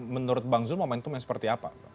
menurut bang zul momentumnya seperti apa